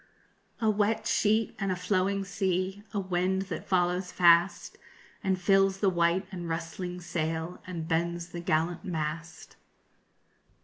A wet sheet and a flowing sea, A wind that follows fast And fills the white and rustling sail _And bends the gallant mast.